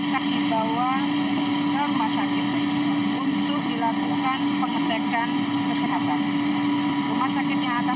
akan dibawa ke rumah sakit untuk dilakukan pengecekan kesenatan rumah sakit yang akan